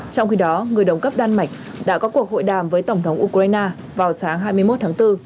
trong khi đó người đồng cấp đan mạch đã có cuộc hội đàm với tổng thống ukraine vào sáng hai mươi một tháng bốn